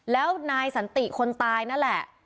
แล้วนายสันติคนตายนั่นแหละ